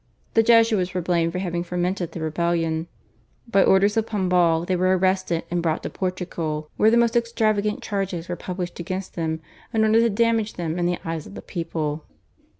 The Jesuits were blamed for having fomented the rebellion. By orders of Pombal they were arrested and brought to Portugal, where the most extravagant charges were published against them in order to damage them in the eyes of the people.